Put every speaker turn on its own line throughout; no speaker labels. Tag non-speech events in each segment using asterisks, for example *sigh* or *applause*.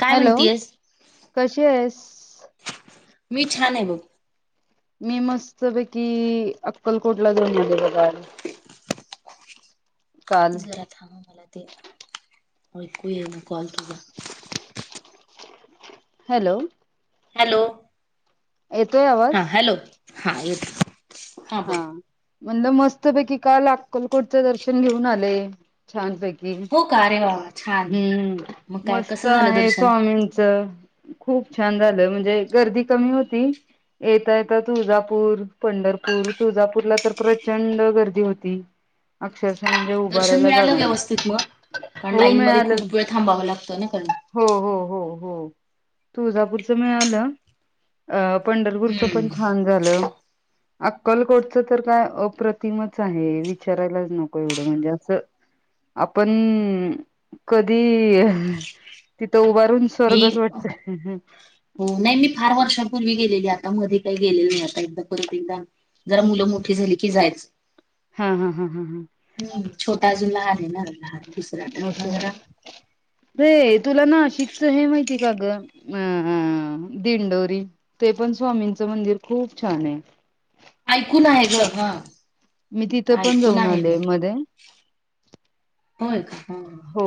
काय
हॅलो
म्हणतीयस
कशी आहेस?
मी छान आहे बघ.
मी मस्तपैकी अक्कलकोटला जाऊन आले बघा. काल.
जरा थांब मला ते ऐकू ये ना कॉल तुझा
हॅलो
हॅलो
येतोय आवाज..
हा हॅलो हा येतोय.
हा म्हणलं मस्त पैकी काल अक्कलकोटच दर्शन घेऊन आले छानपैकी
हो का अरे वा वा छान
हम्म हम्म
मग काय
मस्त
कसं झालं
आहे
दर्शन
स्वामींच खूप छान झालं म्हणजे गर्दी कमी होती. येता येत तुळजापूर पंढर पूर, तुळजापूरला तर प्रचंड गर्दी होती. अक्षरशः म्हणजे
दर्शन
उभारायला
मिळालं
जागा
व्यवस्थित मग
नसत्या.
कारण लाईनमध्ये खूप वेळ थांबाव लागत ना पण
हो हो हो हो तुळजापूरच मिळालं. अ पंढरपूरच
हम्म
पण छान झालं. अक्कलकोटचं तर काय अप्रतिमच आहे विचारायलाच नको एवढं म्हणजे असं. आपण, कधी तिथं उभऽ- *inaudible*
मी
स्वर्गच वाटतय.
हो, नाही मी फार वर्षापूर्वी गेलेली आता, मध्ये काही गेलेलं नाही, आता एकदा परत एकदा, जरा मुलं मोठी झाली की जायच.
हा हा हा हा
हम्म,, छोटा अजून लहान आहेना..
अशा *inaudible* हे तुला नाशिकच हे माहिती का ग अ दिंडोरी. ते पण स्वामींच मंदिर खूप छान आहे.
ऐकून आहे ग हा.
मी तिथं पण
ऐकून
जाऊन
आहे
आलेय
मी
मध्ये.
होय काय, हं.
हो,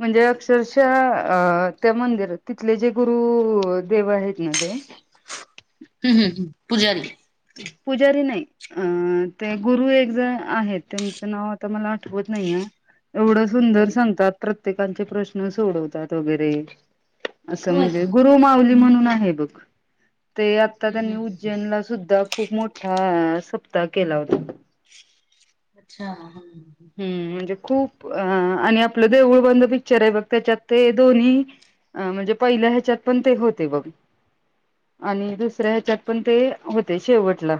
म्हणजे अक्षरशः, त्या मंदिरात तिथले जे गुरु देव आहेत ना ते.
हम् हम्, हम पुजारी.
पुजारी नाही,.. अं ते गुरु एक जण आहेत, त्यांचं नाव आता मला आठवत नाहीय. एवढं सुंदर
बर बर.
सांगतात, प्रत्येकांचे प्रश्न सोडवतात वगैरे. असं
होय का?
म्हणजे, गुरु माऊली म्हणून आहे बघ, ते आता
हम्म हम्म
त्यांनीऽ
हम्म हम्म.
सुद्धा खूप मोठा सप्ताह केला होता.
अच्छा हम्.
हम्म,, म्हणजे खूप अ आणि आपलं देऊळ बंद पिक्चर आहे बघ, त्याच्यात ते दोन्हीऽ- अ म्हणजे पहिल्या ह्याच्यात पण ते होते बघ. आणि दुसऱ्या ह्याच्यात पण ते होते शेवटला.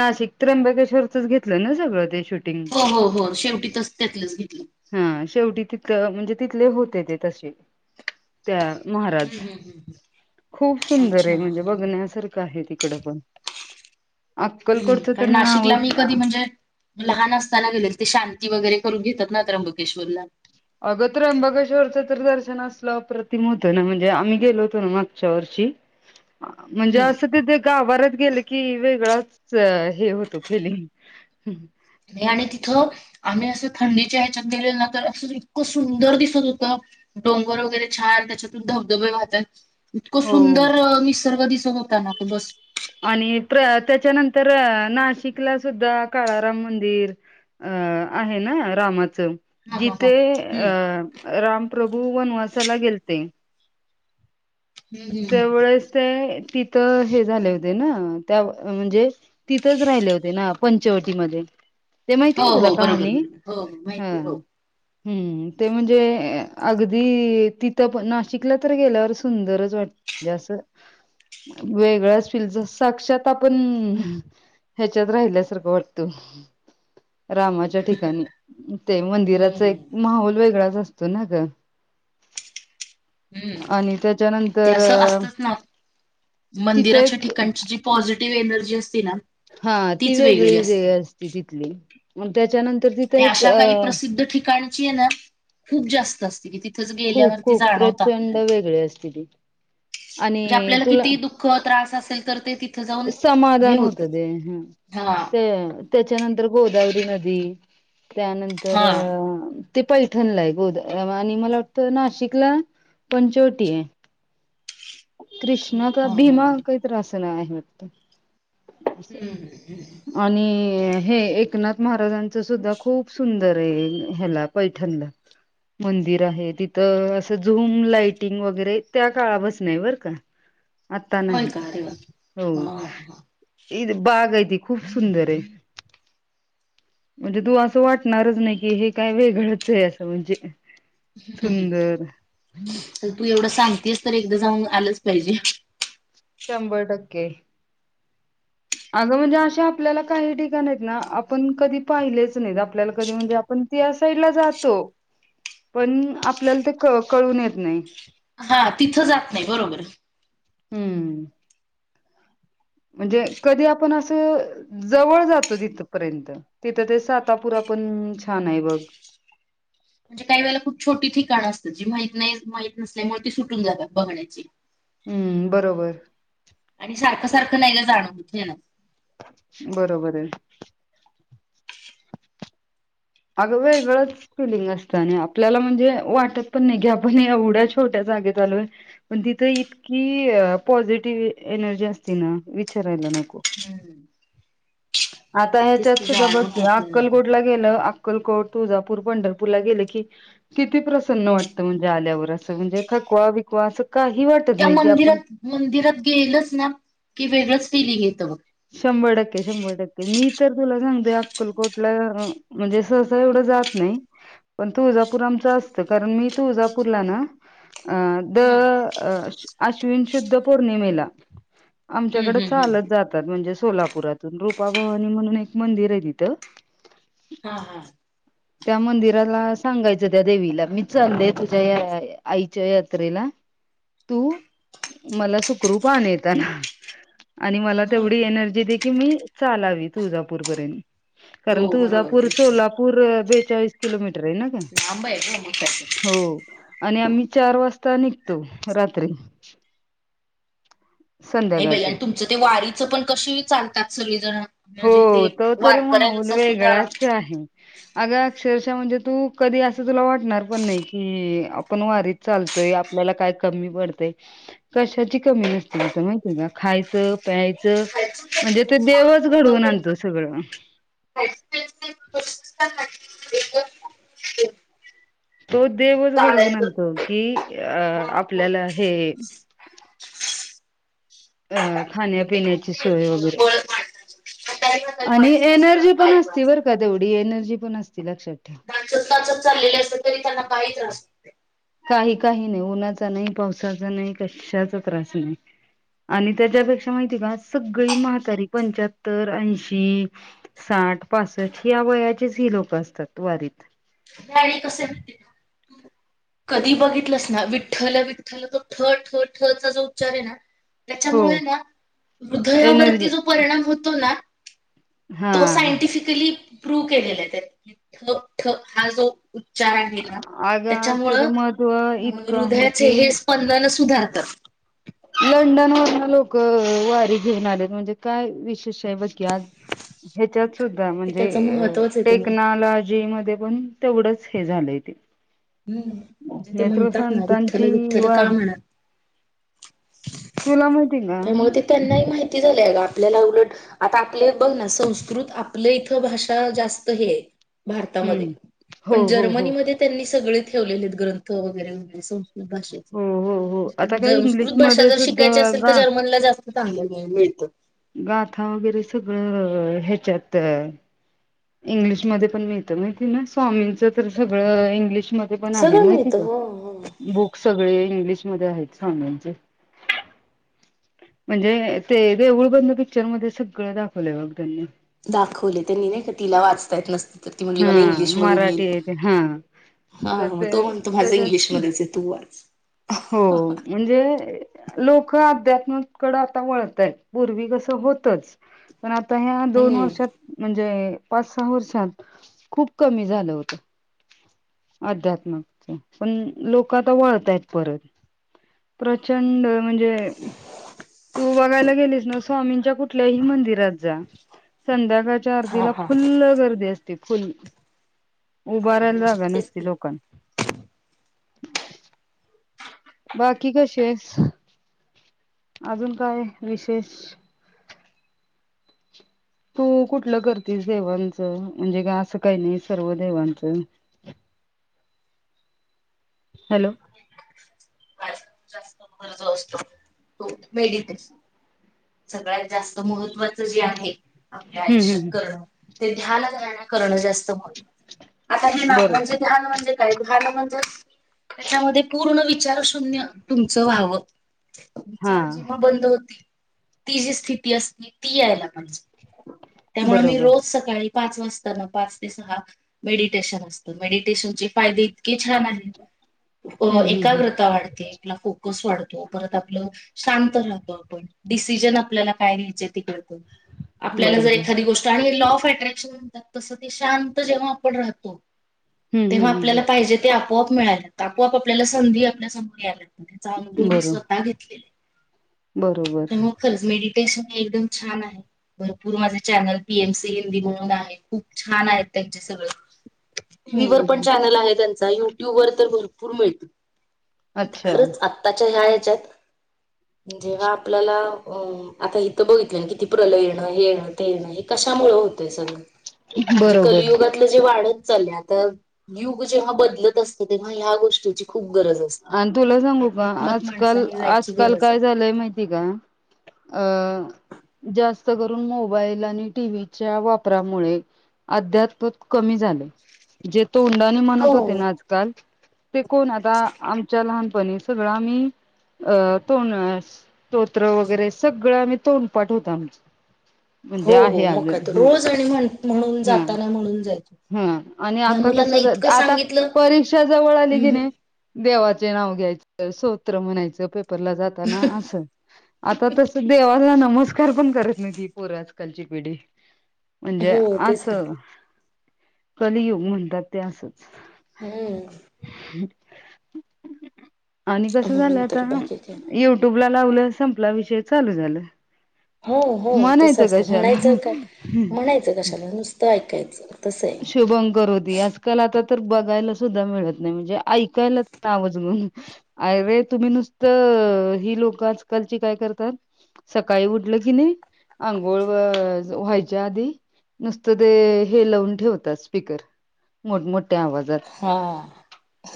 नाशिक, त्र्यंबकेश्वरच घेतलं ना सगळं ते शूटिंग.
हो हो हो, शेवटी तस् त्यातलंच घेतलं.
हा, शेवटी तितक म्हणजे तिथले होते ते तसे. त्या महाराज,
हम्म हम्म हम्म हम्म.
खूप सुंदर
अच्छा.
आहे म्हणजे
हं.
बघण्यासारख क आहे तिकडं पण,
हम्म.
अक्कलकोटच तर
कारण नाशिकला मी
नावच
कधी म्हणजे लहान असताना गेलेल, ते शांती वगैरे करून घेतात ना त्र्यंबकेश्वरला.
अगं त्र्यंबकेश्वरच तर दर्शन असलं अप्रतिम होतय ना म्हणजे आम्ही गेलो होतो ना मागच्या वर्षी. म्हणजे
हम्म.
असं तिथे गाभाऱ्यात गेलं की वेगळाच हे होतो फिलिंग.
आणि तिथं आम्ही असं थंडीच्या ह्याच्यात गेलेलो ना तर असं इतकं सुंदर दिसत होतं. डोंगर वगैरे छान, त्याच्यातून धबधबे वाहतात. इतकं
हो
सुंदर निसर्ग दिसत होता ना की बस.
आणि प्र त्याच्यानंतर नाशिकला सुद्धा काळाराम मंदिर अ आहे ना रामाचं?
हा हा हा.
जिथे
हम्म.
अ रामप्रभू वनवासाला गेलते.
हम्म हम्म
त्या
हम्म.
वळेस ते तिथं हे झाले होते ना त्या म्हणजे तिथंच राहिले होते ना पंचवटीमध्ये. ते माहितीये
हो
ना तुला
हो बरोबर
कहाणी?
बरोबर हो हो
हा.
माहिती आहे, हो
हम्म ते म्हणजे अगदी तिथं प नाशिकला तर गेल्यावर सुंदरच वाटत. असं वेगळंच फील जस साक्षात आपण ह्याच्यात राहिल्यासारखं वाटत, रामाच्या ज्या ठिकाणी ते मंदिराच एक
हम्म
माहोल वेगळाच असतो ना ग
हम्म
आणि त्याच्यानंत
ते असं असतच ना,
तिथं
मंदिराच्या
एक
ठिकाणची जी पॉझिटिव्ह एनर्जी असती ना
हा, ती
तीच
वेगळी ज
असते
असती तिथली, मग त्याच्यानंतर तिथं
आणि
एक
अशा
अ
काही प्रसिद्ध ठिकाणची आहे ना, खूप जास्त असते की तिथच गेल्यावरती जाणवतं आपल्याला.
वगळे असती ती.
जे
आणि
आपल्याला
तुला
कितीही दुःख, त्रास असेल तर ते ति
समाधान होत ते ह
हा
ते त्याच्यानंतर गोदावरी नदी त्यानंतर
हा
अ ते पैठणला आहे गोदा आणि मला वाटतं नाशिकला पंचवटी आहे. कृष्णा का
हा हा
भीमा
हम्म
काहीतर असं आहे वाटत.
हम्म हम्म.
आणि हे एकनाथ महाराजांचं सुद्धा खूप सुंदर आहे ह्याला पैठणला. मंदिर आहे तिथं असं झूम लाईटिंग वगैरे त्या काळापसनं आहे बरं का. हा.
होय का अरे वा!
हो
हा हा
इ बाग आहे ती खूप सुंदर आहे. म्हणजे तू असं वाटणारच नाही की हे काय वेगळंच आहे असं म्हणजे. सुंदर.
तू एवढं सांगतेस तर एकदा जाऊन आलंच पाहिजे.
शंभर टक्के. अगं म्हणजे अशे आपल्याला काही ठिकाण आहेत ना आपण कधी पाहिलेच नाहीत आपल्याला कधी म्हणजे आप पण त्या साईडला जातो पण आपल्याला ते क कळून येत नाही.
हा तिथं जात नाही बरोबर.
हम्म. म्हणजे कधी आपण असं जवळ जातो तिथपर्यंत. तिथं ते सातापुरा पण छान आहे बघ.
म्हणजे काही वेळेला खूप छोटी ठिकाण असतात जी माहीत नाही माहित नसल्यामुळे ती सुटून जातात बघण्याची.
हम्म बरोबर
आणि सारखं सारखं नाही गं जाण होत येन
बरोबर आहे. आगं वेगळंच फलिंग असत आणि आपल्याला म्हणजे वाटत पण नाही की आपण एवढ्या छोट्या जागेत आलोय. पण तिथं इतकी पॉझिटिव्ह एनर्जी असती ना विचारायला नको
हम्म,
आता
तेच
ह्याच्यात
ते
सुद्धा बघ
जाणवत
की
आपल्याला तर.
अक्कलकोटला गेलं आ अक्कलकोट तुळजापूर पंढरपूर ला गेले की किती प्रसन्न वाटतं म्हणजे आल्यावर असं म्हणजे थकवा बिकवा असं काही वाट
त्या मंदिरात मंदिरात गेलच ना की वेगळंच फिलिंग येतं बघ
शंभर टक्के शंभर टक्के मी तर तुला सांगतोय अक्कलकोटला म्हणजे सहसा एवढं जात नाही पण तुळजापूर आमचं असतं कारण मी तुळजापूरला ना अं...
हम्म
दर आश्विन शुद्ध पौर्णिमेला
हम्म
आमच्याकडे
हम्म
चालत
हम्म
जात तात म्हणजे सोलापुरातून रूपाभवानी म्हणून एक मंदिर हे तिथं
हा हा
त्या मंदिराला सांगायचं त्या देवीला मी चाललेय तुझ्या या आईच्या यात्रेला तू मला सुखरूप आन येेताना. आणि मला
होय
तेवढी
का?
एनर्जी दे की मी चालावी तुळजापूरपर्यंत कारण
हो बरोबर
तुळजापूर
तेच ते.
सोलापूर... बेचाळीस किलोमीटर हे ना गं
लांब आहे ग मग काय तर.
हो. आणि आम्ही चार वाजता निघतो रात्री
नाही बाई
संध्याकाळच
आणि तुमचं ते वारीचं पण कशीही चालतात सगळीजण
हो तो तर माहोल वेगळाच आहे. अंग, अक्षरशः म्हणजे तू कधी असं तुला वाटणार पण नाही की आपण वारीत चालतयं आपल्याला काय कमी पडतंय कशाची कमी नसती तिथं माहिती आहे का खायचं प्याय चं म्हणजे ते देवच घडवून आणतो सगळं
*inaudible*
तो देवचं घडवून आणतो की अ आपल्याला हे. अ खाण्यापिण्याची सोय वगैरे.
*unintelligible* असतात बाय पास.
त्यात तेवढी एनर्जी पण असती लक्षात ठेव.
चकाचक चाललेले अस तरी त्यांना काही त्रास होत
काही काही नाही उन्हाचा नाही पावसाचा नाही कशाचा त्रास नाही. आणि त्याच्यापेक्षा माहिती का सगळी म्हातारी पंच्याहत्तर ऐंशी साठ पासष्ट ह्या वयाचीचं ही लोक असतात वारीत
गाणी कसं हे माहिती हे का? कधी बघितलंस ना विठ्ठल विठ्ठल तो ठ ठ ठचा जो उच्चार हे ना.
हो
त्याच्यामुळे ना
एनर्जी
हृदयावरती जो परिणाम होतो ना.
हा
तो सायंटिफिकली प्रूव्ह केलेला आहे त्यांनी ठक ठक हा जो. उच्चार आहे ना.
अगं आज त्याच
त्याच्यामुळं
महत्त्व इतकं आहे
हृदयाचे
की
हे स्पंदनं सुधारतात.
लंडन वरनं लोकं वारी घेऊन आलेत, म्हणजे काय विशेष आहे बग यात ह्याच्यात सुद्धा
ते
म्हणजे
त्याचं महत्त्वच आहे ते म्हण
टेक्नॉलॉजी मधे पण तेवढंच हे झालंय ते,
हूं.. म्हणजे ते
नेत्र
म्हणतात ना
संतांची
विठ्ठल-विठ्ठल
वार
का म्हणत
तुला माहिती का
त्यामुळे ते त्यांनाही माहिती झालंय अगं आपल्याला उलट आता आपलं बघ ना संस्कृत आपलं इथं भाषा जास्त हे आहे.
हम्म
भारतामध्ये,
हो
पण
हो हो
जर्मनीमध्ये त्यांनी सगळे ठेवलेले आहेत ग्रंथ वगैरे, वगैरे स स्कृत भाषेत
हो हो हो आता काय
संस्कृत भाषा
इंग्लिशमध्ये
जर शिकायची
सुद्धा
असेल तर
गा
जर्मनला जास्त चांगलं ज्ञान मिळतं.
गाथा वगैरे सगळं ह्याच्यात इंग्लिशमध्ये पण मिळत माहितीये ना?. स्वामींच तर सगळं इंग्लिशमध्ये पण आहे
सगळं
माहिती
मिळतं
का
हो हो.
बुक? सगळे इंग्लिशमध्ये आहेत स्वामींचे. म्हणजे ते देऊळ बंद पिक्चरमध्ये सगळं दाखवलंय बघ त्यांनी.
दाखवले त्यांनी नाही का तिला वाचता येत नसतं, तर ती म्हणली
हा
मला इंग्लिश मधून
मराठी
येईल,
येते हा
हा
तर
मग
ते
तो म्हणतो माझं
त्याच्यात
इंग्लिशमध्येच ये., तू वाच.
हो म्हणजे लोकं अध्यात्मातकडं आता वळतायत पूर्वी कसं होतंच, पण आता ह्या दोन
हम्म
वर्षात म्हणजे पाच सहा वर्षात खूप कमी झालं होतं. अध्यात्माचं पण लोकं आता वळतायत. परत प्रचंड म्हणजे तू बघायला गेलीस ना स्वामींच्या कुठल्याही मंदिरात जा संध्याकाळच्या
हा
आरतीला
हा
फुल्लं गर्दी असते. ते फुल उभारायला जागा
तेच
नसती
की
लोकांना, बाकी कशी आहेस, अजून काय विशेष? तू कुठलं करतीस देवांचं म्हणजे का असं काही नाही सर्व देवांचं हॅलो.
माझा असतो तो मेडिटेशन. सगळ्यात जास्त महत्त्वाचं जे आहे आपल्या
हम्म हम्म
आयुष्यात
हम्म
करणं, ते ध्यानधारणा करणं जास्त होत आता हे ना
बरो
म्हणजे ध्यान म्हणजे काय ध्याान म्हणजे? त्याच्यामध्ये पूर्ण विचार शून्य तुमचं व्हावं
हा
विचार जेव्हा बंद होती, ती जी स्थिती असते ती यायला पाहिजे, त्यामुळे मी
बरोबर
रोज सकाळी पाच वाजता ना पाच ते सहा,, मेडिटेशन असतं मेडिटेशन चे फायदे इतके छान आहेत,, अ
हम्म हम्म हम्म
एकाग्रता वाढते. आपला फोकस वाढतो, परत आपलं शांत राहतो आपण, डिस सीजन आपल्या घ्यायचंय ते कळतं, आपल्याला जर
बरोबर
एखादी गोष्ट, आणि लॉ ऑफ अट्रॅक्शन म्हणतात तसं ते शांत जेव्हा आपण राहतो,
हम्म
तेव्हा
हम्म हम्म
आपल्याला पाहिजे ते आपोआप मिळायला लागतं, आपोआप आपल्याला संधी आपल्या समोर यायला,, त्याचा
हम्म
अनुभव
बरो
स्वतः घेतलेत.
बरोबर.
खरंच मेडिटेशन हे एकदम छान आहे. भरपूर माझे channel P M C Hindi म्हणून आहे खूप छान आहेत त्यांचे सगळं टी
हम्म
व्ही वर पण
हम्म
चॅनल आहे त्यांचा यु ट्यूब वर तर भरपूर मिळतं. ते
अच्छा
खरंच आत्ताच्या ह्या ह्याच्यात जेव्हा पल्याला आता इथं बघितलं किती प्रलय येणं हे येणं ते येणं हे कशामुळे होत तय सगळं म्हणजे
बरोबर
कलयुगातच जे वाढत चाललय युग जेव्हा बदलत असत तेव्हा ह्या गोष्टीची खूप गरज असते
आणि तुला सांगू का
आध्यात्मात
आजकाल
माणसाने जायची
आजकाल
गरज आहे.
काय झालंय माहिती का अ जास्त करून मोबाईल आणि टि व्ही च्या वापरामुळे अध्यात् कमी झाले जे तोंडानं म्हणत
हो
होते ना आजकाल ते कोण आता च्या लहानपणी सगळं आम्ही अ तोंड स्तोत्र वगैरे सगळं आम्ही तोंडपाठ होतं आम्हाला
हो हो मगं काय तर रोज आणि म्हण म्हणून जाताना म्हणून जायचे
हम्म आणि आता कसं आता परीक्षा जवळ आली की
हम्म,
नाही देवाचे नाव घ्यायचं सोत्र म्हणायचं पे र जाताना अस आता तस देवाचा नमस्कार पण करत नाहीत ही पोरं आज कालची पिढी म्हणजे
हो
अस
तेच ना.
कलियुग म्हणतात ते असंच.
हम्म
*inaudible* आणि कसं
म्हणून
झालय आता
तर बाकी काय
युट्यूबला लावलं संपला विषय चालू झालं.
हो हो तसं
म्हणायचं
असतं म्हणायचं
कशाला
काय म्हणायचं कशाला नुसतं ऐकायचं. तसं आहे.
शुभंकरोती आजकाल आता तर बघायला सुद्धा मिळत नाही म्हणजे ऐकायला नावंच बंद आयवंय तुम्ही नुसतं ही लोक आजकालची काय करतात सकाळी उठलं की नाही अंघोळ व्हायच्या आधी नुसतं ते हे लावून ठेवतात स्पिकर मोठमोठ्या आवाजात,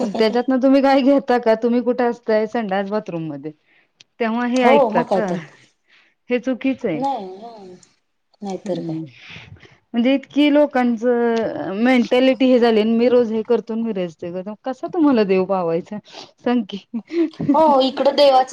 पण त्याच्यातन तुम्ही काय घेता का तुम्ही कुठे असताय संडास बाथरूम मध्ये तेव्हा हे
हो मग
ऐकतात
काय
का?
तर
हे चुकीच आहे
नाही नाहीतर
हम्
काय
म्हणजे इतकी लोकांचं मेंटॅलिटी हे झालीनं मी रोज हे करतो मी रजते कर कस तुम्हाला देव पावायचा सांग की
हो इकडं देवाच